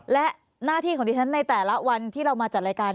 และหน้าที่ของดิฉันในแต่ละวันที่เรามาจัดรายการ